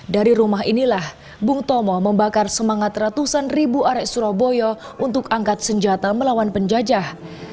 dari rumah inilah bung tomo membakar semangat ratusan ribu arek surabaya untuk angkat senjata melawan penjajah